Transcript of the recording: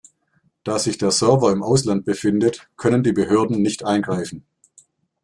Da sich der Server im Ausland befindet, können die Behörden nicht eingreifen.